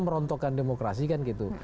merontokkan demokrasi kan gitu